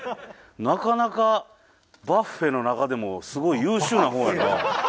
なかなかバッフェの中でもすごい優秀な方やな。